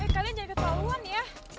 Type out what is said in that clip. kalian jangan kesaluan ya